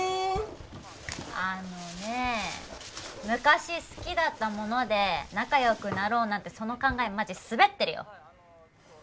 あのね昔好きだったもので仲よくなろうなんてその考えマジスベってるよ！